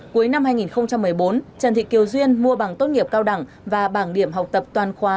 cuối năm hai nghìn một mươi bốn trần thị kiều duyên mua bằng tốt nghiệp cao đẳng và bảng điểm học tập toàn khóa